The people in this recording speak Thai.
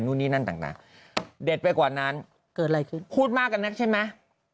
นู่นนี่นั่นต่างเด็ดไปกว่านั้นเกิดอะไรขึ้นพูดมากกันนักใช่ไหม